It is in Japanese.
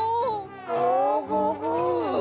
ゴゴゴ。